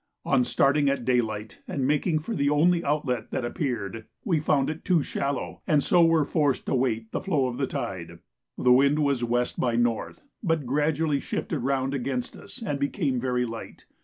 On starting at daylight and making for the only outlet that appeared, we found it too shallow, and so were forced to wait the flow of the tide. The wind was W. by N., but gradually shifted round against us and became very light.